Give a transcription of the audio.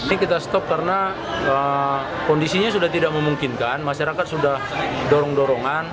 ini kita stop karena kondisinya sudah tidak memungkinkan masyarakat sudah dorong dorongan